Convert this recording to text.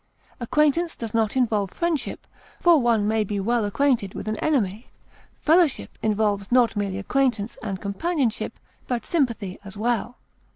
Acquaintance does not involve friendship, for one may be well acquainted with an enemy. Fellowship involves not merely acquaintance and companionship, but sympathy as well.